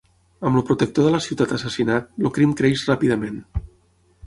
Amb el protector de la ciutat assassinat, el crim creix ràpidament.